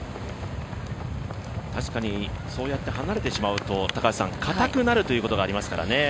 確かに、そうやって離れてしまうとかたくなるということがありますからね。